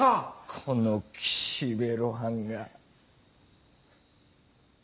この岸辺露伴が。